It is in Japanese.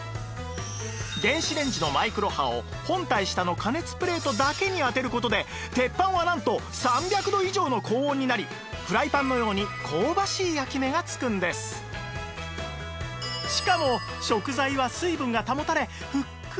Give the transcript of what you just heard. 電子レンジのマイクロ波を本体下の加熱プレートだけに当てる事で鉄板はなんと３００度以上の高温になりフライパンのようにしかも食材は水分が保たれふっくらやわらか！